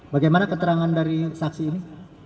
bagaimana keterangan dari saksi ini